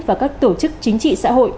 và các tổ chức chính trị xã hội